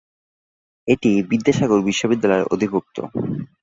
এটি বিদ্যাসাগর বিশ্ববিদ্যালয়ের অধিভুক্ত।